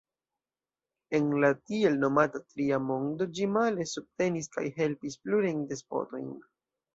En la tiel nomata tria mondo ĝi, male, subtenis kaj helpis plurajn despotojn.